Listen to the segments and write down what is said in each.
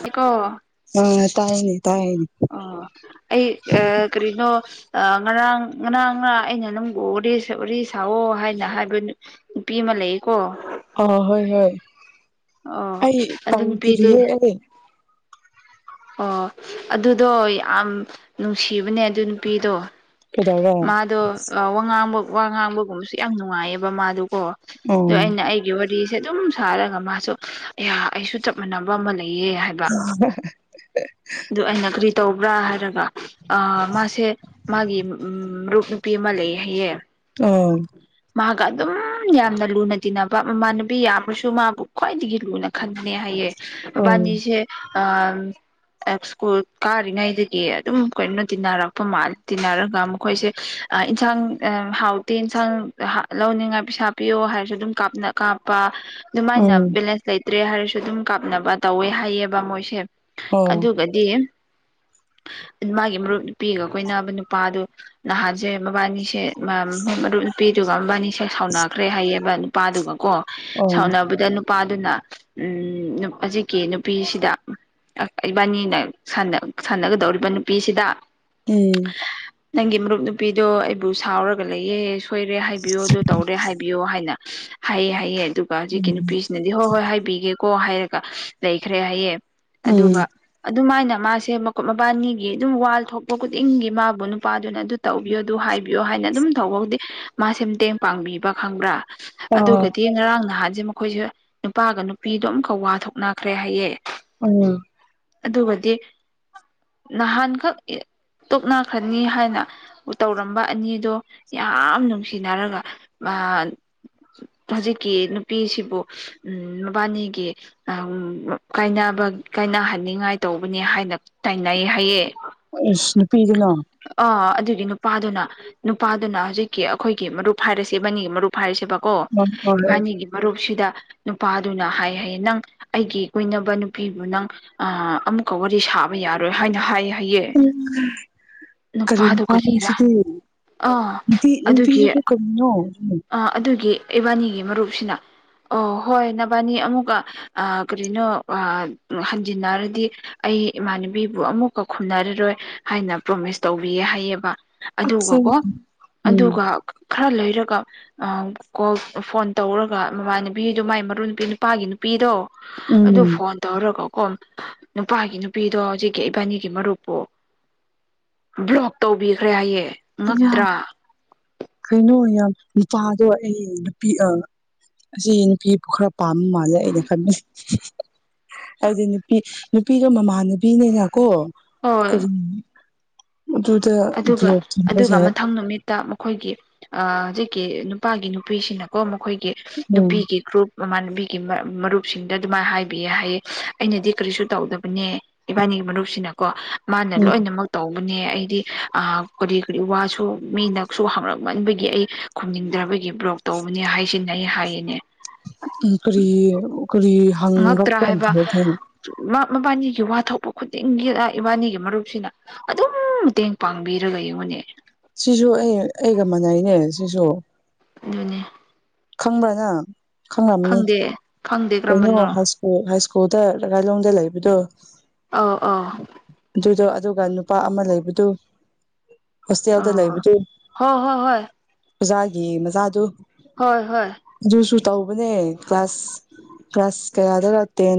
ꯑꯩꯀꯣ ꯑ ꯇꯥꯏꯅꯦꯅꯤ ꯑꯣ ꯑꯩ ꯑ ꯀꯔꯤꯅꯣ ꯑ ꯉꯔꯥꯡ ꯉꯔꯥꯡ ꯑꯩꯅ ꯅꯝꯒꯣꯛꯎꯦꯦ ꯁꯥꯑꯣ ꯍꯥꯏꯅ ꯍꯥꯏꯕ ꯅꯨꯄꯤ ꯑꯃ ꯂꯩ ꯀꯣ ꯑ ꯍꯣꯏ ꯍꯣꯏ ꯑꯣ ꯑꯩ ꯑꯗꯨꯝ ꯅꯨ ꯇꯧꯗ꯭ꯔꯤꯌꯦ ꯄꯤꯗꯣꯏꯅꯦ ꯑꯩ ꯑꯣ ꯑꯗꯨꯗꯣ ꯌꯥꯝ ꯅꯨꯡꯁꯤꯕꯅꯦ ꯑꯗꯨ ꯅꯨꯄꯤꯗꯣ ꯀꯩꯗꯧꯔꯦ ꯃꯥꯗꯨꯣ ꯋꯥ ꯉꯝꯕ ꯋꯥ ꯉꯥꯡꯕꯒꯨꯝꯕꯁꯨ ꯌꯥꯝ ꯅꯨꯡꯉꯥꯏꯌꯦꯕ ꯃꯥꯗꯨꯀꯣ ꯑꯗꯣ ꯎꯝ ꯑꯩꯅ ꯑꯩꯒꯤ ꯔꯤꯁꯦ ꯑꯗꯨꯝ ꯁꯥꯔꯒ ꯃꯥꯁꯨ ꯑꯩꯁꯨ ꯆꯞ ꯃꯥꯟꯅꯕ ꯑꯃ ꯂꯩꯌꯦ ꯍꯥꯏꯕ ꯑꯣ ꯑꯗꯨ ꯑꯩꯅ ꯀꯔꯤ ꯇꯧꯕ꯭ꯔꯥ ꯍꯥꯏꯔꯒ ꯑ ꯃꯥꯁꯦ ꯃꯥꯒꯤ ꯃꯔꯨꯞ ꯅꯨꯄꯤ ꯑꯃ ꯂꯩ ꯍꯥꯏꯌꯦ ꯑ ꯃꯥꯒ ꯑꯗꯨꯝ ꯌꯥꯝꯅ ꯂꯨꯅ ꯇꯤꯟꯅꯕ ꯃꯃꯥꯟꯅꯨꯕꯤ ꯌꯥꯝꯃꯁꯨ ꯃꯥꯕꯨ ꯈ꯭ꯋꯥꯏꯗꯒꯤ ꯂꯨꯅ ꯈꯟꯕꯅꯦ ꯍꯥꯏꯌꯦ ꯋꯥꯅꯤꯁꯦ ꯑ ꯁ꯭ꯀꯨꯜ ꯀꯥꯔꯤꯉꯩꯗꯒꯤ ꯑꯗꯨꯝ ꯀꯩꯅꯣꯅ ꯇꯤꯟꯅꯔꯛꯄ ꯃꯥꯜꯂꯦ ꯇꯤꯟꯅꯔꯒ ꯃꯈꯣꯏꯁꯦ ꯏꯟꯁꯥꯡ ꯍꯥꯎꯇꯦ ꯏꯟꯁꯥꯡ ꯂꯧꯅꯤꯡꯉꯥꯏ ꯄꯩꯁꯥ ꯄꯤꯌꯣ ꯍꯥꯏꯔꯁꯨ ꯑꯗꯨꯝ ꯀꯥꯞꯅ ꯀꯥꯞꯄ ꯑꯗꯨꯃꯥꯏꯅ ꯎꯝ ꯕꯦꯂꯦꯟꯁ ꯂꯩꯇ꯭ꯔꯦ ꯍꯥꯏꯔꯁꯨ ꯑꯗꯨꯝ ꯀꯥꯞꯅꯕ ꯇꯧꯋꯦ ꯍꯥꯏꯌꯦꯕ ꯃꯣꯏꯁꯦ ꯑꯣ ꯑꯗꯨꯒꯗꯤ ꯃꯥꯒꯤ ꯃꯔꯨꯞ ꯅꯨꯄꯤꯒ ꯀꯈꯣꯏꯅꯕ ꯅꯨꯄꯥꯗꯨ ꯅꯍꯥꯟꯁꯦ ꯃꯕꯥꯅꯤꯁꯦ ꯃꯔꯨꯞ ꯅꯨꯄꯤꯗꯨꯒ ꯃꯕꯥꯅꯤꯁꯦ ꯁꯥꯎꯅꯈ꯭ꯔꯦ ꯍꯥꯏꯌꯦꯕ ꯅꯨꯄꯥꯗꯨꯒ ꯀꯣ ꯑꯣ ꯁꯥꯎꯅꯕꯗ ꯅꯨꯄꯥꯗꯨꯅ ꯎ ꯍꯧꯖꯤꯛꯀꯤ ꯅꯨꯄꯤꯁꯤꯗ ꯏꯕꯥꯅꯤꯅ ꯁꯥꯟꯅꯒꯗꯧꯔꯤꯕ ꯅꯨꯄꯤꯁꯤꯗ ꯎꯝ ꯅꯪꯒꯤ ꯃꯔꯨꯞ ꯅꯨꯄꯤꯗꯣ ꯑꯩꯕꯨ ꯁꯥꯎꯔꯒ ꯂꯩꯌꯦꯦ ꯁꯣꯏꯔꯦ ꯍꯥꯏꯕꯤꯌꯣ ꯑꯗꯨ ꯇꯧꯔꯦ ꯍꯥꯏꯕꯤꯌꯣ ꯍꯥꯏꯅ ꯍꯥꯏꯑ ꯍꯥꯏꯑꯦ ꯑꯗꯨꯒ ꯍꯧꯖꯤꯛꯀꯤ ꯅꯨꯄꯤꯁꯤꯅꯗꯤ ꯍꯣꯏ ꯍꯣꯏ ꯍꯥꯏꯕꯤꯒꯦ ꯀꯣ ꯍꯥꯏꯔꯒ ꯂꯩꯈ꯭ꯔꯦ ꯍꯥꯏꯌꯦꯦ ꯑꯗꯨꯒ ꯎꯝ ꯑꯗꯨꯃꯥꯏꯅ ꯃꯥꯁꯦꯨꯞ ꯃꯕꯥꯅꯤꯒꯤ ꯑꯗꯨꯝ ꯋꯥꯜ ꯊꯣꯛꯄ ꯈꯨꯗꯤꯡꯒꯤ ꯃꯥꯕꯨ ꯅꯨꯄꯥ ꯑꯗꯨꯅ ꯑꯗꯨ ꯇꯧꯕꯤꯌꯣ ꯑꯗꯨ ꯍꯥꯏꯕꯤꯌꯣ ꯍꯥꯏꯅ ꯑꯗꯨꯝ ꯇꯧꯕꯕꯨꯗꯤ ꯃꯥꯁꯦ ꯃꯇꯦꯡ ꯄꯥꯡꯕꯤꯕ ꯈꯪꯕ꯭ꯔꯥ ꯑ ꯑꯗꯨꯒꯗꯤ ꯉꯔꯥꯡ ꯅꯍꯥꯟ ꯦ ꯃꯈꯣꯏꯁꯨ ꯅꯨꯄꯥꯒ ꯅꯨꯄꯤꯗꯣ ꯑꯃꯨꯛꯀ ꯋꯥ ꯊꯣꯛꯅꯈ꯭ꯔꯦ ꯍꯥꯏꯌꯦꯦ ꯎꯝ ꯑꯗꯨꯒꯗꯤ ꯅꯍꯥꯟꯈꯛ ꯇꯣꯛꯅꯈ꯭ꯔꯅꯤ ꯍꯥꯏꯅ ꯇꯧꯔꯝꯕ ꯑꯅꯤꯗꯣ ꯌꯥꯝ ꯅꯨꯡꯁꯤꯅꯔꯒ ꯍꯧꯖꯤꯛꯀꯤ ꯅꯨꯄꯤꯁꯤꯕꯨ ꯎ ꯃꯕꯥꯅꯤꯒꯤ ꯀꯥꯏꯅꯕ ꯀꯥꯏꯅꯍꯟꯅꯤꯡꯉꯥꯏ ꯇꯧꯕꯅꯦ ꯍꯥꯏꯅ ꯇꯥꯏꯅꯩ ꯍꯥꯏꯌꯦ ꯑꯦꯁꯅ ꯄꯤꯔꯅꯣ ꯑꯥ ꯑꯗꯨꯒꯤ ꯅꯨꯄꯥꯗꯨꯅ ꯅꯨꯄꯥꯗꯨꯅ ꯍꯧꯖꯤꯛꯀꯤ ꯑꯩꯈꯣꯏꯒꯤ ꯃꯔꯨꯞ ꯍꯥꯏꯔꯤꯁꯤ ꯑꯃꯅꯤꯅꯤ ꯃꯔꯨꯞ ꯍꯥꯏꯔꯤꯁꯤ ꯑꯣꯣ ꯏꯕꯥꯅꯤꯒꯤ ꯃꯔꯨꯞ ꯁꯤꯗ ꯅꯨꯄꯥꯗꯨꯅ ꯍꯥꯏ ꯍꯥꯏꯌꯦ ꯅꯪ ꯑꯩꯒꯤ ꯀꯨꯏꯅꯕ ꯅꯨꯄꯤꯕꯨ ꯅꯪ ꯑꯃꯨꯛꯀ ꯋꯥꯔꯤ ꯁꯥꯕ ꯌꯥꯔꯣꯏ ꯍꯥꯏꯅ ꯍꯥꯏꯌꯦ ꯎꯝ ꯀꯔꯤ ꯅꯨꯄꯥꯗꯨ ꯅꯨꯄꯥ ꯀꯔꯤꯔꯥ ꯍꯥꯏꯁꯤꯗꯤ ꯅꯨꯄꯤ ꯅꯨꯄꯤꯁꯤꯁꯨ ꯀꯔꯤꯅꯣ ꯑ ꯑꯗꯨꯒꯤ ꯏꯕꯥꯅꯤꯒꯤ ꯃꯔꯨꯞꯁꯤꯅ ꯑꯣ ꯍꯣꯏ ꯅꯕꯥꯅꯤ ꯑꯃꯨꯛꯀ ꯀꯔꯤꯅꯣ ꯍꯟꯖꯤꯟꯅꯔꯗꯤ ꯑꯩ ꯏꯃꯥꯟꯅꯕꯤꯕꯨ ꯑꯃꯨꯛꯀ ꯈꯨꯝꯅꯔꯔꯣꯏ ꯍꯥꯏꯅ ꯄ꯭ꯔꯣꯃꯤꯁ ꯇꯧꯕꯤꯌꯦ ꯍꯥꯏꯌꯦꯕ ꯑꯗꯨꯒꯀꯣ ꯎꯝ ꯑꯗꯨꯒ ꯈꯔ ꯂꯩꯔꯒ ꯑ ꯀꯣꯜ ꯐꯣꯟ ꯇꯧꯔꯒ ꯃꯃꯥ ꯅꯨꯄꯤꯗꯣ ꯃꯥꯏ ꯃꯔꯨ ꯅꯨꯄꯤ ꯅꯨꯄꯥꯒꯤ ꯅꯨꯄꯤꯗꯣ ꯑꯗꯨ ꯎꯝ ꯐꯣꯟ ꯇꯧꯔꯒꯣ ꯀ ꯅꯨꯄꯥꯒꯤ ꯅꯨꯄꯤꯗꯣ ꯍꯧꯖꯤꯛꯀꯤ ꯏꯕꯥꯅꯤꯒꯤ ꯃꯔꯨꯞꯄꯨ ꯕ꯭ꯂꯣꯛ ꯇꯧꯕꯤꯈ꯭ꯔꯦ ꯍꯥꯏꯌꯦꯦ ꯌꯥꯝ ꯉꯛꯇ꯭ꯔꯥ ꯀꯩꯅꯣ ꯌꯥꯝ ꯅꯨꯄꯥꯗꯣ ꯑꯩ ꯅꯨꯄꯤ ꯑꯁꯤ ꯅꯨꯄꯤꯕꯨ ꯈꯔ ꯄꯥꯝꯕ ꯃꯥꯜꯂꯦ ꯑꯩꯅ ꯈꯟꯕ ꯍꯥꯏꯗꯤ ꯅꯨꯄꯤ ꯅꯨꯄꯤꯗ ꯃꯃꯥꯟꯅꯕꯤꯅꯤꯅꯀꯣ ꯍꯣꯏ ꯀꯔꯤ ꯑꯗꯨꯗ ꯑꯗꯨꯒ ꯕ꯭ꯂꯣꯛ ꯑꯗꯨꯒ ꯊꯝꯕꯁꯦ ꯃꯊꯪ ꯅꯨꯃꯤꯠꯇ ꯃꯈꯣꯏꯒꯤ ꯍꯧꯖꯤꯛꯀꯤ ꯅꯨꯄꯥꯒꯤ ꯅꯨꯄꯤꯁꯤꯅꯀꯣ ꯃꯈꯣꯏꯒꯤ ꯎꯝ ꯅꯨꯄꯤꯒꯤ ꯒ꯭ꯔꯨꯞ ꯃꯃꯥꯟꯅꯕꯤꯒꯤ ꯃꯔꯨꯞꯁꯤꯡꯗ ꯑꯗꯨꯃꯥꯏꯅ ꯍꯥꯏꯕꯤꯌꯦ ꯍꯥꯏꯌꯦ ꯑꯩꯅꯗꯤ ꯀꯔꯤꯁꯨ ꯇꯧꯗꯕꯅꯦ ꯏꯕꯥꯅꯤ ꯑꯩ ꯃꯔꯨꯞꯁꯤꯅꯀꯣ ꯃꯥꯅ ꯎꯝ ꯂꯣꯏꯅꯃꯛ ꯇꯧꯕꯅꯦ ꯑꯩꯗꯤ ꯑ ꯀꯔꯤ ꯀ ꯋꯥꯁꯨ ꯃꯤꯅꯁꯨ ꯍꯥꯡꯉꯛꯃꯟꯕꯒꯤ ꯑꯩ ꯈꯨꯝꯅꯤꯡꯗ꯭ꯔꯕꯒꯤ ꯕ꯭ꯂꯣꯛ ꯇꯧꯕꯅꯤ ꯍꯥꯏꯁꯤꯅ ꯑꯩ ꯍꯥꯏꯌꯦꯅꯦ ꯎ ꯀꯔꯤ ꯀꯔꯤ ꯉꯛꯇ꯭ꯔꯥ ꯍꯪꯔꯛꯄ ꯍꯥꯏꯕ ꯃꯕꯥꯅꯤꯒꯤ ꯋꯥ ꯊꯣꯛꯄ ꯈꯨꯗꯤꯡꯒꯤꯗ ꯏꯕꯥꯅꯤꯒꯤ ꯃꯔꯨꯞꯁꯤꯅ ꯑꯗꯨꯝ ꯃꯇꯦꯡ ꯄꯥꯡꯕꯤꯔꯒ ꯌꯦꯡꯉꯨꯅꯤ ꯁꯤꯁꯨ ꯑꯩ ꯑꯩꯒ ꯃꯥꯟꯅꯩꯅꯦ ꯁꯤꯁꯨ ꯑꯗꯨꯅꯦ ꯈꯪꯕ꯭ꯔꯅ ꯈꯪꯗꯦ ꯈꯪꯗꯦ ꯀꯩꯅꯣ ꯀꯔꯝꯕꯅꯣ ꯍꯥꯏ ꯁꯀꯨꯜ ꯍꯥꯏ ꯁ꯭ꯀꯨꯜꯗꯀꯥꯏꯂꯣꯡꯗ ꯂꯩꯕꯗꯣ ꯑꯧ ꯑꯧ ꯗ ꯑꯗꯨꯒ ꯅꯨꯄꯥ ꯑꯃ ꯂꯩꯕꯗꯨ ꯍꯣꯁꯇꯦꯜꯗ ꯑꯥ ꯂꯩꯕꯗꯤ ꯍꯣꯏ ꯍꯣꯏ ꯍꯣꯏ ꯑꯣꯖꯥꯒꯤ ꯃꯖꯥꯗꯨ ꯍꯣꯏ ꯍꯣꯏ ꯇꯧꯕꯅꯦ ꯀ꯭ꯂꯥꯁ ꯑ ꯁ ꯀꯗ ꯔ ꯇ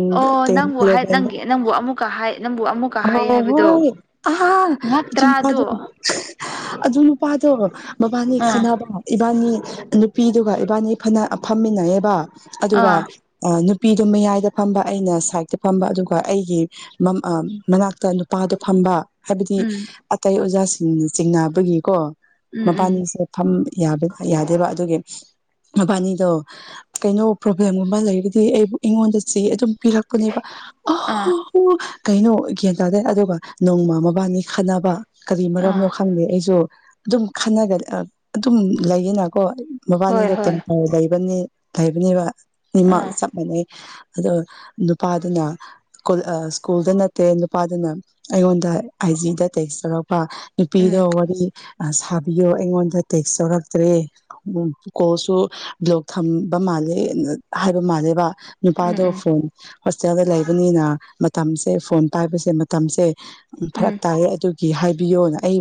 ꯅꯪꯕꯨ ꯍꯥꯏ ꯅꯪꯒꯤ ꯅꯪꯕꯨ ꯑꯃꯨꯛꯀ ꯍꯥꯏ ꯅꯪꯕꯨ ꯑꯃꯨꯛꯀ ꯍꯥꯏ ꯍꯥꯏꯕꯗꯣ ꯍ ꯍ ꯉꯥꯏꯍꯥꯛ ꯑꯗꯨ ꯇꯔꯥꯗꯣ ꯅꯨꯄꯥꯗꯣ ꯑꯗꯨ ꯅꯨꯄꯥꯗꯣ ꯕꯥꯅꯤ ꯑꯥ ꯈꯟꯅꯅꯕ ꯏꯕꯥꯅꯤ ꯅꯨꯄꯤꯗꯨꯒ ꯏꯕꯥꯅꯤ ꯐꯅ ꯐꯝꯃꯤꯟꯅꯩꯌꯦꯕ ꯑꯗꯨꯒ ꯑꯥ ꯑꯥ ꯅꯨꯄꯤꯗꯣ ꯃꯌꯥꯏꯗ ꯐꯝꯕ ꯑꯩꯅ ꯁꯥꯏꯠꯇ ꯐꯝꯕ ꯑꯗꯨꯒ ꯑꯩꯒꯤ ꯃꯅꯥꯛꯇ ꯅꯨꯄꯥꯗꯣ ꯊꯝꯕ ꯍꯥꯏꯕꯗꯤ ꯎꯝ ꯑꯇꯩ ꯑꯣꯖꯥꯁꯤꯡꯅ ꯆꯤꯡꯅꯕꯒꯤꯀꯣ ꯎꯝ ꯎꯝ ꯃꯕꯥꯅꯤꯁꯦ ꯐꯝ ꯌꯥꯗꯦꯕ ꯑꯗꯨꯒꯤ ꯃꯕꯥꯅꯤꯗꯣ ꯀꯩꯅꯣ ꯄ꯭ꯔꯣꯕ꯭ꯂꯦꯝꯒꯨꯝꯕ ꯂꯩ ꯑꯩꯕꯨ ꯑꯩꯉꯣꯟꯗ ꯆꯦ ꯑꯗꯨꯝ ꯄꯤꯔꯛꯄꯅꯦꯕ ꯑ ꯑꯥ ꯀꯩꯅꯣ ꯒ꯭ꯌꯥꯟ ꯇꯥꯗꯦ ꯑꯗꯨꯒ ꯅꯣꯡꯃ ꯃꯕꯥꯅꯤ ꯈꯟꯅꯕ ꯀꯔꯤ ꯑꯥ ꯃꯔꯝꯅꯣ ꯈꯪꯗꯦ ꯑꯩꯁꯨ ꯑꯗꯨꯝ ꯈꯟꯅꯒ ꯑꯗꯨꯝ ꯂꯩꯌꯦꯅꯀꯣ ꯍꯣꯏ ꯃꯕꯥꯅꯤꯗ ꯍꯣꯏ ꯇꯦꯝꯄꯔ ꯂꯩꯕꯅꯤ ꯇꯥꯏꯕꯅꯦꯕꯃꯥ ꯑꯥ ꯆ ꯑꯣ ꯅꯨꯄꯥꯗꯨꯅ ꯁ꯭ꯀꯨꯜꯗ ꯅꯠꯇꯦ ꯅꯨꯄꯥꯗꯨꯅ ꯑꯩꯉꯣꯟꯗ ꯗ ꯑꯥꯏꯖꯤꯗ ꯇꯦꯛꯁ ꯇꯧꯔꯒ ꯅꯨꯄꯤꯒ ꯎꯝ ꯋꯥꯔꯤ ꯁꯥꯕꯤꯌꯣ ꯑꯩꯉꯣꯟꯗ ꯇꯦꯛꯁ ꯇꯧꯔꯛꯇ꯭ꯔꯦ ꯀꯣꯜꯁꯨ ꯕ꯭ꯂꯣꯛ ꯊꯝꯕ ꯃꯥ ꯃꯥꯂꯦ ꯍꯥꯏꯕ ꯃꯥꯜꯂꯦꯕ ꯎꯝ ꯅꯨꯄꯥꯗꯣ ꯎꯝ ꯐꯣꯟ ꯍꯣꯁꯇꯦꯜꯗ ꯂꯩꯕꯅꯤꯅ ꯃꯇꯝꯁꯦ ꯐꯣꯟ ꯄꯥꯏꯕꯁꯦ ꯃꯇꯝꯁꯦ ꯎ ꯎꯝ ꯐꯔꯛ ꯇꯥꯏꯌꯦ ꯑꯗꯨꯒꯤ ꯍꯥꯏꯕꯤꯌꯣꯅ ꯑꯩ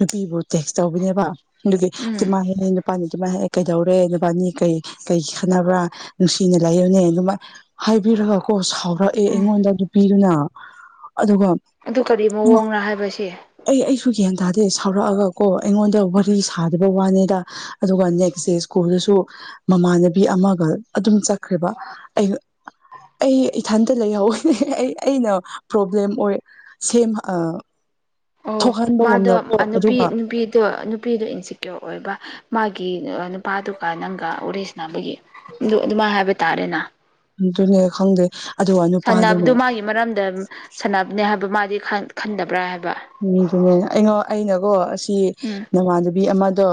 ꯅꯨꯄꯤꯕꯨ ꯇꯦꯛꯁ ꯇꯧꯕꯤꯅꯦꯕ ꯑꯗꯨꯒꯤ ꯎꯝ ꯇꯤꯃꯥ ꯍꯦꯛ ꯅꯨꯄꯥꯅꯤ ꯇꯤꯃꯥ ꯍꯦꯛ ꯀꯩꯗꯧꯔꯦ ꯅꯨꯄꯥꯅꯤ ꯀꯩ ꯀꯩ ꯈꯥꯟꯠꯅꯕ꯭ꯔꯥ ꯅꯨꯡꯁꯤꯅ ꯂꯩꯌꯅꯦ ꯑꯗꯨꯃꯥꯏꯅ ꯍꯥꯏꯕꯤꯔꯒ ꯀꯣ ꯁꯥꯎꯔꯛꯑꯦ ꯎꯝ ꯑꯩꯉꯣꯟꯗ ꯑꯗꯨꯄꯤꯗꯨꯅ ꯑꯗꯨꯒ ꯑꯗꯨ ꯀꯔꯤ ꯃꯑꯣꯡꯔ ꯍꯥꯏꯕꯁꯦ ꯑꯩ ꯑꯩꯁꯨ ꯒ꯭ꯌꯥꯟ ꯇꯥꯦ ꯁꯥꯎꯔꯛꯑꯒ ꯀꯣ ꯑꯩꯉꯣꯟꯗ ꯋꯥꯔꯤ ꯎꯝ ꯁꯥꯗꯕ ꯋꯥꯅꯦ ꯑꯗꯨꯒ ꯅꯦꯛꯁ ꯗꯦ ꯁ꯭ꯀꯨꯜꯗꯁꯨ ꯃꯃꯥꯟꯅꯕꯤ ꯑꯃꯒ ꯑꯗꯨꯝ ꯆꯠꯈ꯭ꯔꯦꯕ ꯑꯩ ꯑꯩ ꯏꯊꯟꯇ ꯂꯩꯍꯧꯋꯦꯅꯦ ꯑꯩ ꯑꯩꯅ ꯄ꯭ꯔꯣꯕ꯭ꯂꯦꯝ ꯑꯣꯏ ꯁꯦꯝ ꯑꯣ ꯃꯥꯗ ꯊꯣꯛꯍꯟꯕꯒꯨꯝꯅꯀꯣ ꯅꯨꯄꯤ ꯑꯗꯨꯒ ꯅꯨꯄꯤꯗꯣ ꯅꯨꯄꯤꯗꯣ ꯏꯟꯁꯤꯀ꯭ꯌꯣꯔ ꯑꯣꯏꯕ ꯃꯥꯒꯤ ꯅꯨꯄꯥꯗꯨꯒ ꯅꯪꯒ ꯎꯔꯦꯁ ꯅꯥꯕꯒꯤ ꯑꯗꯨꯃꯥꯏꯅ ꯍꯥꯏꯕ ꯇꯥꯔꯦꯅ ꯅꯦ ꯈꯪꯗꯦ ꯑꯗꯨꯒ ꯅꯨꯄꯥꯗꯨꯅꯦ ꯁꯥꯟꯅꯕꯗꯨ ꯃꯥꯒꯤ ꯃꯔꯝꯗ ꯁꯥꯟꯅꯕꯅꯦ ꯍꯥꯏꯕ ꯃꯥꯗꯤ ꯈꯟꯗꯕ꯭ꯔꯥ ꯍꯥꯏꯕ ꯎꯝꯅꯦ ꯑꯩꯉ ꯑꯩꯅꯒꯣ ꯑꯁꯤ ꯎꯝ ꯅꯃꯥꯟꯅꯕꯤ ꯑꯃꯗꯣ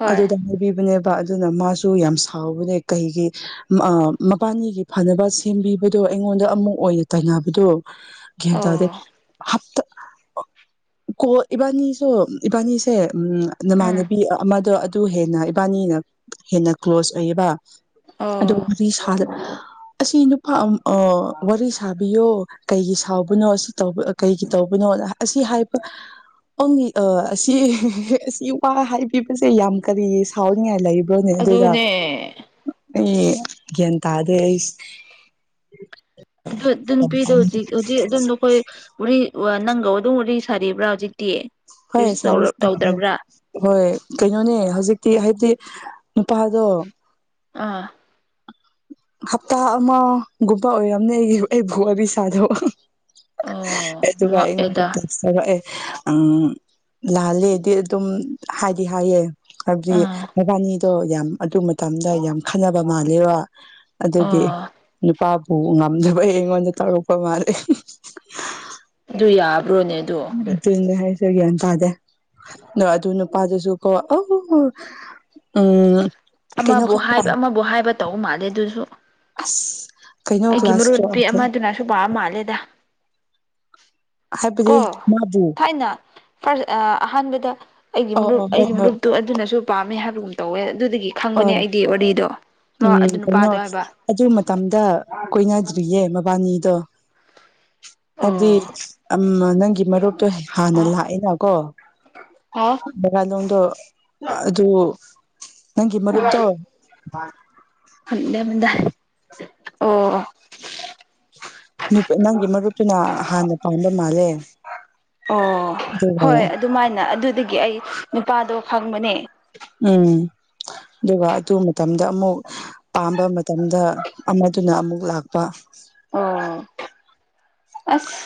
ꯍꯣꯏ ꯑꯗꯨꯗ ꯍꯥꯏꯕꯤꯕꯅꯦꯕ ꯑꯗꯨꯅ ꯃꯥꯁꯨ ꯌꯥꯝ ꯁꯥꯎꯕꯅꯦ ꯀꯩꯒꯤ ꯃꯕꯥꯅꯤꯒꯤ ꯐꯅꯕ ꯁꯦꯝꯕꯤꯕꯗꯣ ꯑꯩꯉꯣꯟꯗ ꯑꯃꯨꯛ ꯑꯣꯏꯅ ꯇꯩꯅꯅꯕꯗꯣ ꯒ꯭ꯌꯥꯟ ꯇꯥꯗꯦ ꯑꯣ ꯍ ꯑ ꯀꯣ ꯏꯕꯥꯅꯤꯁꯨ ꯏꯕꯥꯅꯤꯁꯦ ꯎ ꯎꯝ ꯅꯃꯥꯟꯅꯕꯤ ꯑꯃꯗꯣ ꯑꯗꯨ ꯍꯦꯟꯅ ꯏꯕꯥꯅꯤꯅ ꯍꯦꯟꯅ ꯀ꯭ꯂꯣꯁ ꯑꯣꯏꯌꯦꯕ ꯑꯣ ꯋꯥꯔꯤ ꯁꯥ ꯑꯁꯤ ꯅꯨꯄꯥ ꯋꯥꯔꯤ ꯁꯥꯕꯤꯌꯣ ꯀꯩꯒꯤ ꯁꯥꯎꯕꯅꯣ ꯑꯁꯤ ꯀꯩꯒꯤ ꯇꯧꯕ ꯇꯅꯣ ꯑꯁꯤ ꯍꯥꯏꯕ ꯑꯣꯪ ꯑꯁꯤ ꯑꯁꯤ ꯋꯥ ꯍꯥꯏꯕꯤꯕꯁꯦ ꯌꯥꯝ ꯀꯔꯤ ꯁꯥꯎꯅꯤꯡꯉꯥꯏ ꯂꯩ ꯑꯗꯨ ꯑꯗꯨꯅꯦ ꯑꯦ ꯌꯦ ꯇꯗ ꯑꯗꯨ ꯑꯗꯨ ꯅꯨ ꯄꯤꯗ ꯍꯧꯖꯤꯛ ꯍꯧꯖꯤꯛ ꯑꯗꯨꯝ ꯅꯈꯣꯏ ꯎꯔꯤ ꯑꯣ ꯅꯪꯒ ꯑꯗꯨꯝ ꯂꯩ ꯁꯥꯔꯤꯕ꯭ꯔꯥ ꯍꯧꯖꯤꯛꯇꯤ ꯍꯣꯏ ꯀꯔꯤꯁꯨ ꯁ ꯁ ꯇꯧꯗꯕ꯭ꯔꯥ ꯍꯣꯏ ꯀꯩꯅꯣꯅꯦ ꯍꯧꯖꯤꯛꯇꯤ ꯍꯥꯏꯕꯗꯤ ꯅꯨꯄꯥꯗꯣ ꯑ ꯍꯞꯇꯥ ꯑꯃꯒꯨꯝꯕ ꯑꯣꯏꯔꯝꯅꯦ ꯑꯩ ꯑꯩꯕꯨꯣ ꯑꯕꯤ ꯁꯥꯗꯣꯛ ꯑꯣ ꯑꯗꯨꯒ ꯉꯛꯑꯦꯗ ꯑꯩꯉꯣꯟꯗ ꯑꯦ ꯎꯝ ꯂꯥꯜꯂꯦꯗꯤ ꯑꯗꯨꯝ ꯍꯥꯏꯗꯤ ꯍꯥꯏꯌꯦ ꯍꯥꯏꯕꯗꯤ ꯑꯥ ꯃꯕꯥꯅꯤꯗꯣ ꯌꯥꯝ ꯑꯗꯨ ꯃꯇꯝꯗ ꯌꯥꯝ ꯈꯟꯅꯕ ꯃꯥꯜꯂꯦꯕꯣ ꯑꯗꯨꯒꯤ ꯑꯣ ꯅꯨꯄꯥ ꯑꯣ ꯉꯝꯗꯕꯩꯉꯖ ꯇꯉꯄ ꯃꯥꯔꯦ ꯑꯗꯨ ꯌꯥꯕ꯭ꯔꯣꯅꯦ ꯑꯗꯣ ꯁꯤꯒꯤꯟ ꯇꯥꯗꯦ ꯑꯣ ꯑꯗꯨ ꯅꯨꯄꯥꯗꯨꯁꯨ ꯀꯣ ꯑ ꯎꯝ ꯀꯩꯅꯣ ꯑꯃꯕꯨ ꯈꯪꯕ꯭ꯔꯥ ꯍꯥꯏꯕ ꯑꯃꯕꯨ ꯍꯥꯏꯕ ꯇꯧꯕ ꯃꯥꯜꯂꯦ ꯑꯗꯨꯁꯨ ꯑꯁ ꯀꯩꯅꯣ ꯑꯩꯒꯤ ꯃꯔꯨꯞ ꯀ꯭ꯂꯥꯁ ꯅꯨꯄꯤ ꯑꯃꯗꯨꯅ ꯁꯨꯄꯥ ꯃꯥꯜꯂꯦꯗ ꯍꯥꯏꯕꯗꯤ ꯀꯣ ꯃꯥꯕꯨ ꯊꯥꯏꯅ ꯐꯔ ꯑꯍꯥꯟꯕꯗ ꯑꯩꯒꯤ ꯑ ꯃꯔꯨꯞ ꯑ ꯍꯣꯏ ꯑꯩꯒꯤ ꯍꯣꯏ ꯃꯔꯨꯔꯨꯞꯇꯨ ꯑꯗꯨꯅꯁꯨ ꯄꯥꯝꯃꯦ ꯍꯥꯏꯕꯒꯨꯝ ꯇꯧꯋꯦ ꯑꯗꯨꯗꯒꯤ ꯑ ꯈꯪꯕꯅꯦ ꯑꯩꯗꯤ ꯋꯥꯔꯤꯗꯣ ꯎꯝ ꯑꯗꯨ ꯀꯩꯅꯣ ꯅꯨꯄꯥꯗꯣ ꯍꯥꯏꯕ ꯑꯗꯨ ꯃꯇꯝꯗ ꯀꯣꯏꯅꯗ꯭ꯔꯤ ꯌꯦ ꯃꯕꯥꯅꯤꯗ ꯍꯥꯏꯕꯗꯤ ꯑꯣ ꯅꯪꯒꯤ ꯃꯔꯨꯞꯇꯣ ꯍꯥꯟꯅ ꯂꯥꯛꯑꯦꯅꯀꯣ ꯑꯣ ꯗꯣꯗ ꯑꯗꯨ ꯑꯗꯨ ꯅꯪꯒꯤ ꯏ ꯃꯔꯛꯇꯛꯇꯣ ꯑꯗ ꯑꯃꯗꯥ ꯎ ꯑꯣ ꯅꯪꯒꯤ ꯃꯔꯨꯞꯇꯨꯅ ꯍꯥꯟꯅ ꯄꯥꯟꯕꯥꯝꯕ ꯃꯥꯜꯂꯦ ꯑꯣ ꯑꯗꯨꯒ ꯍꯣꯏ ꯑꯗꯨꯃꯥꯏꯅ ꯑꯗꯨꯗꯒꯤ ꯑꯩ ꯅꯨꯄꯥꯗꯣ ꯍꯪꯕꯅꯦ ꯎꯝ ꯑꯗꯨꯒ ꯑꯗꯨ ꯃꯇꯝꯗ ꯑꯃꯨꯛ ꯄꯥꯝꯕ ꯃꯇꯝꯗ ꯑꯃꯗꯨꯅ ꯑꯃꯨꯛ ꯂꯥꯛꯄ ꯑ ꯑꯁ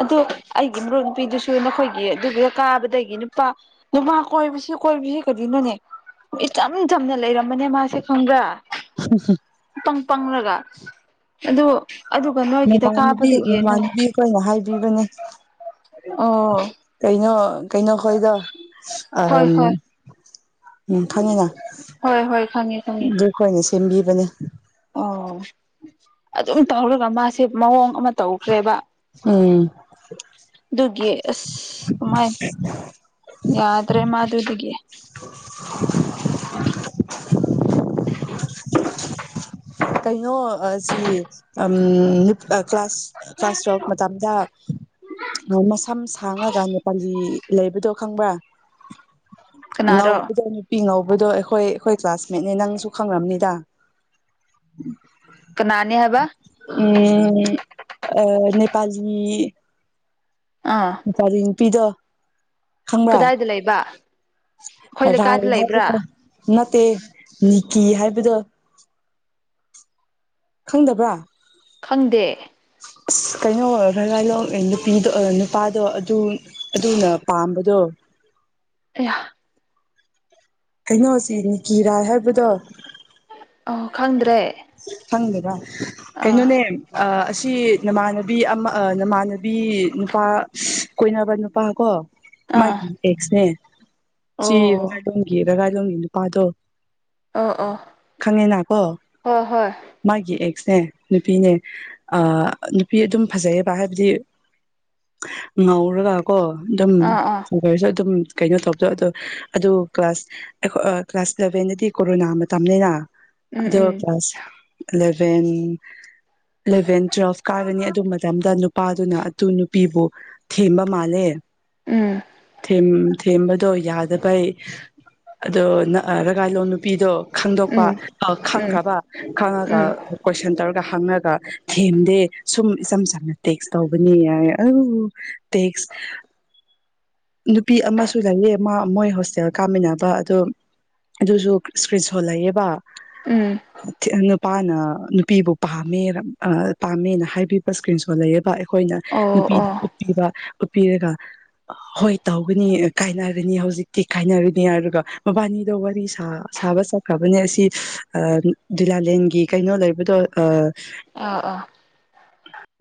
ꯑꯗꯨꯣ ꯑꯩꯒꯤ ꯃꯔꯨꯜ ꯄꯤꯗꯨꯁꯨ ꯁꯨ ꯅꯈꯣꯏꯒꯤ ꯑꯗꯨꯗ ꯀꯥꯕꯗꯒꯤ ꯅꯨꯄꯥ ꯅꯨꯄꯥ ꯀꯣꯏꯕꯁꯤ ꯀꯣꯏꯕꯁꯤ ꯀꯔꯤꯅꯣꯅꯦ ꯏꯆꯝ ꯆꯝꯅ ꯂꯩꯔꯝꯕꯅꯦ ꯃꯥꯁꯦ ꯈꯪꯕ꯭ꯔ ꯎ ꯅꯣꯏꯒꯤꯗ ꯃꯃꯥꯟꯅ ꯀꯥꯞꯄꯗꯒꯤ ꯅꯪ ꯃꯃꯥꯟꯅꯕꯤ ꯑꯩꯈꯣꯏꯅ ꯍꯥꯏꯕꯤꯕꯅꯦ ꯑꯣ ꯀꯩꯅ ꯀꯩꯅꯣ ꯈꯣꯏꯗ ꯍꯣꯏ ꯍꯣꯏ ꯎꯝ ꯐꯅꯤꯅ ꯍꯣꯏ ꯍꯣꯏ ꯈꯪꯉꯦ ꯈꯉ ꯑꯗꯨꯅꯤ ꯑꯣ ꯑꯗꯨꯝ ꯇꯧꯔꯒ ꯃꯥꯁꯦ ꯃꯑꯣꯡ ꯑꯃ ꯇꯧꯈ꯭ꯔꯦꯕ ꯎꯝ ꯑꯗꯨꯒꯤ ꯑꯁ ꯁꯨꯃꯥꯏ ꯌꯥꯗ꯭ꯔꯦ ꯃꯥꯗꯨꯗꯒꯤ [unintelligible] [inaudible] ꯀꯩꯅꯣ ꯁꯤ ꯑꯝ ꯅꯨ ꯀ꯭ꯂꯥꯁ ꯀ꯭ꯂꯥꯁ ꯇꯨꯌꯦꯦꯜꯐ ꯃꯇꯝꯗ ꯃꯁꯝ ꯁꯥꯡꯉꯒ ꯅꯦꯄꯥꯂꯤ ꯂꯩꯕꯗꯣ ꯈꯪꯕ꯭ꯔ ꯀꯅꯥꯔꯣ ꯉꯧꯕꯗꯣ ꯅꯨꯄꯤ ꯉ ꯗꯣ ꯑꯩꯈꯣꯏ ꯑꯩꯈꯣꯏ ꯀ꯭ꯂꯥꯁꯃꯦꯠꯅꯦ ꯅꯪꯁꯨ ꯈꯪꯕꯅꯤꯗ ꯀꯅꯥꯅꯤ ꯍꯥꯏꯕ ꯎꯝ ꯅꯦꯄꯥ ꯅꯨꯄꯥꯔꯤ ꯅꯨꯄꯤꯗꯣ ꯈꯪꯕ꯭ꯔꯥ ꯈꯨꯗꯥꯏꯗ ꯂꯩ ꯂꯩꯕ ꯑꯩꯈꯣꯏ ꯂꯩꯀꯥꯏꯗ ꯔꯥꯏ ꯂꯩꯕ꯭ꯔꯥ ꯍꯥꯏꯕꯗꯣ ꯅꯠꯇꯦ ꯅꯤꯀꯤ ꯍꯥꯏꯕꯗꯣ ꯈꯪꯗꯕ꯭ꯔꯥ ꯈꯪꯗꯦ ꯑꯁ ꯀꯩꯅꯣ ꯑꯣꯏꯔ ꯈꯔꯒꯥꯏ ꯂꯧ ꯅꯨꯄꯤꯗꯣ ꯅꯨꯄꯥꯗꯣ ꯑꯗꯨ ꯑꯗꯨꯅ ꯄꯥꯝꯕꯗꯣ [inaudible] ꯌꯥꯍ ꯀꯩꯅꯣ ꯁꯤ ꯅꯤꯀꯤꯔꯥꯏ ꯍꯥꯏꯕꯗꯣ ꯑ ꯈꯪꯗ꯭ꯔꯦ ꯈꯪꯗꯗ ꯑꯥ ꯀꯩꯅꯣꯅꯦ ꯁꯤ ꯅꯃꯥꯟꯅꯕꯤ ꯑꯃ ꯅꯃꯥꯟꯅꯕꯤ ꯅꯨꯄꯥ ꯀꯣꯏꯅꯕ ꯅꯨꯄꯥ ꯀꯣ ꯑꯥ ꯃꯥꯒꯤ ꯑꯦꯁꯅꯦ ꯁꯤ ꯑꯣ ꯔꯒꯗꯣꯡꯝꯒꯤ ꯔꯒꯥꯏꯗꯣꯝꯒꯤ ꯅꯨꯄꯥꯗꯣ ꯑ ꯑ ꯈꯪꯉꯦꯅꯀꯣ ꯍ ꯍꯣꯏ ꯃꯥꯒꯤ ꯑꯦꯛꯁꯅꯦ ꯅꯨꯄꯤꯅꯦ ꯅꯨꯄꯤ ꯑꯗꯨꯝ ꯐꯖꯩꯌꯦꯕ ꯍꯥꯏꯕꯗꯤ ꯉꯧꯔꯒ ꯀꯣ ꯑꯥ ꯑꯥ ꯑꯗꯨꯝꯁꯨ ꯑꯗꯨꯝ ꯀꯩꯅꯣ ꯇꯧꯕꯗꯣ ꯑꯗꯣ ꯑꯗꯨ ꯀ꯭ꯂꯥꯁ ꯑꯩꯈꯣꯏ ꯀ꯭ꯂꯥꯁ ꯏꯂꯚꯦꯟꯗꯗꯤ ꯀꯣꯔꯣꯅꯥ ꯃꯇꯝꯅꯤꯅ ꯎꯝ ꯑꯗꯣ ꯎꯝ ꯀ꯭ꯂꯥꯁ ꯏꯂꯚꯦꯟ ꯏꯂꯦꯚꯦꯟ ꯇꯨꯋꯦꯜꯐ ꯀꯥꯔꯅꯤ ꯑꯗꯨ ꯃꯇꯝꯗ ꯅꯨꯄꯥꯗꯨꯅ ꯑꯗꯨ ꯅꯨꯄꯤꯕꯨ ꯊꯦꯝꯕ ꯃꯥꯜꯂꯦ ꯎꯝ ꯊ ꯊꯦꯝꯕꯗꯣ ꯌꯥꯗꯕꯩ ꯑꯗꯣ ꯔꯒꯥꯏꯂꯣ ꯅꯨꯄꯤꯗꯣ ꯎꯝ ꯈꯪꯗꯣꯛꯄ ꯎꯝ ꯈꯪꯈ꯭ꯔꯕ ꯈꯪꯉꯒ ꯎꯝ ꯀꯣꯏꯁꯟ ꯇꯧꯔ ꯍꯪꯉꯒ ꯊꯦꯝꯗꯦ ꯁꯨꯝ ꯏꯆꯝ ꯆꯝꯅ ꯇꯦꯛꯁ ꯇꯧꯕꯅꯤ ꯌꯥꯏ ꯑ ꯇꯦꯛꯁ [inaudible] ꯅꯨꯄꯤ ꯑꯃꯁꯨ ꯂꯩꯌꯦ ꯃꯣꯏ ꯍꯣꯁꯇꯦꯜ ꯀꯥꯃꯤꯟꯅꯕ ꯑꯗꯣ ꯑꯗꯨꯁꯨ ꯏꯁꯀ꯭ꯔꯤꯟ ꯁꯣ ꯂꯩꯌꯦꯦꯕ ꯎꯝ ꯅꯨꯄꯥꯅ ꯅꯨꯄꯤꯕꯨ ꯄꯥꯝꯃꯦ ꯄꯥꯝꯃꯦꯅ ꯍꯥꯏꯕꯤꯕ ꯏꯁꯀ꯭ꯔꯤꯟ ꯁꯣꯠ ꯂꯩꯌꯦꯕ ꯑꯩꯈꯣꯏꯅ ꯑꯣ ꯑꯣ ꯅꯨꯄꯤꯅ ꯑꯥ ꯎꯠꯄꯤꯕ ꯎꯠꯄꯤꯔꯒ ꯍꯣꯏ ꯇꯧꯒꯅꯤ ꯀꯥꯏꯅꯔꯅꯤ ꯍꯧꯖꯤꯛꯇꯤ ꯀꯥꯏꯅꯔꯅꯤ ꯑꯗꯨꯒ ꯃꯕꯥꯅꯤꯗꯣ ꯋꯥꯔꯤ ꯁꯥꯕ ꯆꯠꯈ꯭ꯔꯕꯅꯦ ꯑꯁꯤ ꯂꯥꯂꯦꯟꯒꯤ ꯀꯩꯅꯣ ꯂꯩꯕꯗꯣ ꯑꯥ